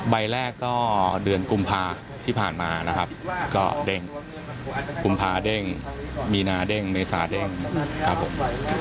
ใบแรกก็เดือนกุมภาที่ผ่านมานะครับก็เด้งกุมภาเด้งมีนาเด้งเมษาเด้งครับผม